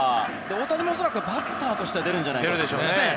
大谷も恐らくバッターとして出るんじゃないかといわれていますね。